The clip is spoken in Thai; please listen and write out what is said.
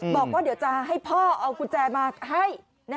บอกว่าเดี๋ยวจะให้พ่อเอากุญแจมาให้